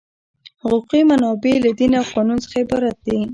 حقوقي منابع له دین او قانون څخه عبارت دي.